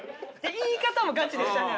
言い方もガチでしたね